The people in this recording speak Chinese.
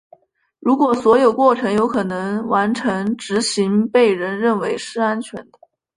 如果所有过程有可能完成执行被认为是安全的。